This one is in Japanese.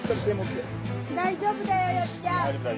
大丈夫だよよっちゃん。